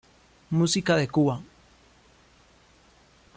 Música de Cuba